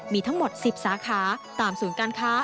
มีทั้งหมด๑๐สาขาตามศูนย์การค้า